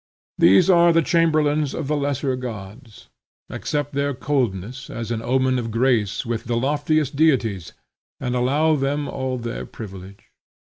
These are the chamberlains of the lesser gods. Accept their coldness as an omen of grace with the loftier deities, and allow them all their privilege.